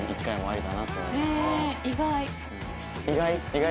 意外。